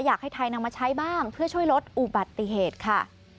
อยากให้ไทยนำมาใช้บ้างเพื่อช่วยลดอุบัติเหตุค่ะ